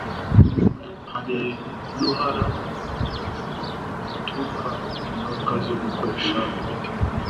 Hari n'uruhara ruturuka ku ngaruka zo gukoresha imiti